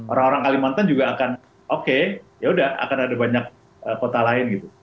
orang orang kalimantan juga akan oke yaudah akan ada banyak kota lain gitu